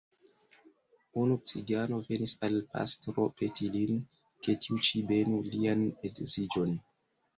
Unu cigano venis al pastro peti lin, ke tiu ĉi benu lian edziĝon.